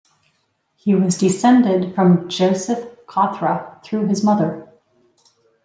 He was descended from Joseph Cawthra through his mother.